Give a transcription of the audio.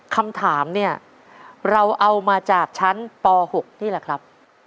คำถามเนี่ยเราเอามาจากชั้นป๖นี่แหละครับ